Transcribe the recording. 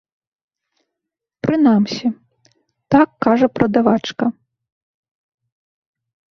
Прынамсі, так кажа прадавачка.